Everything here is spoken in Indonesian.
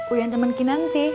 uyan temen kinanti